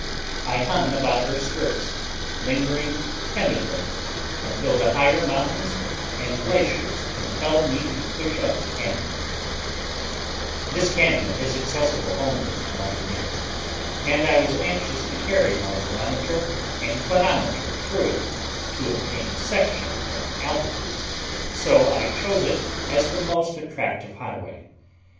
I hung about her skirts, lingering timidly, until the higher mountains and glaciers compelled me to push up the cañon. [Illustration: TISSIACK FROM GLACIER POINT: TENAYA CAÑON ON THE LEFT] This cañon is accessible only to mountaineers, and I was anxious to carry my barometer and clinometer through it, to obtain sections and altitudes, so I chose it as the most attractive highway.